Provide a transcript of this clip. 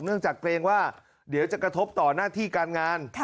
เนื่องจากเกรงว่าเดี๋ยวจะกระทบต่อหน้าที่การงาน